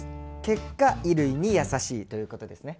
結果衣類にやさしいということですね。